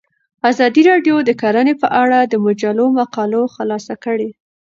ازادي راډیو د کرهنه په اړه د مجلو مقالو خلاصه کړې.